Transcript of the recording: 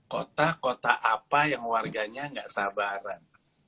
kota kota apa yang warganya nggak sabaran